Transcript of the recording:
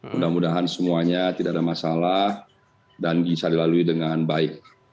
mudah mudahan semuanya tidak ada masalah dan bisa dilalui dengan baik